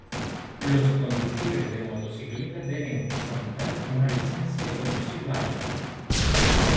Los conductores de motocicletas de nieve deben contar con una licencia de conducir válida.